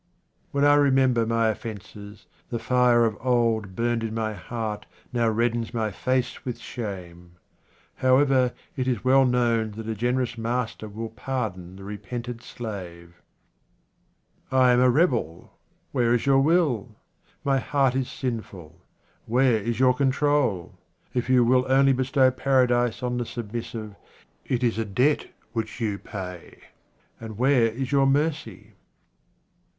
When I remember my offences the fire which of old burnt in my heart now reddens my face with shame. However, it is well known that a generous master will pardon the repented slave. I am a rebel : where is your will ? My heart is sinful : where is your control ? If you will only bestow Paradise on the submissive it is a debt which you pay, and where is your mercy?